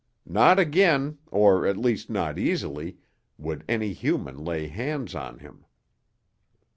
Not again, or at least not easily, would any human lay hands on him.